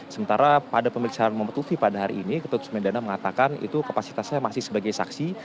sementara pada pemeriksaan muhammad lufi pada hari ini ketut sumedana mengatakan itu kapasitasnya masih sebagai saksi